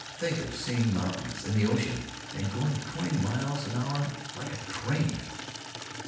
Think of seeing mountains! And the ocean! And going twenty miles an hour, like a train!"